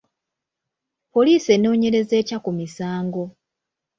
Poliisi enoonyereza etya ku misango?